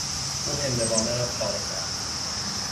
او هندوانه را پاره کرد.